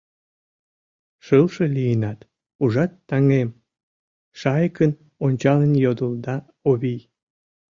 — Шылше лийынат, ужат, таҥем? — шайыкын ончалын йодылда Овий.